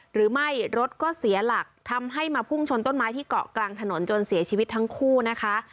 หรือไม่รถก็เสียหลักทำให้มาพุ่งชนต้นไม้ที่เกาะกลางถนนจนเสียชีวิตทั้งคู่นะคะ